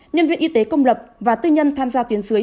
nhân viên y tế công lập và tư nhân tham gia tuyến dưới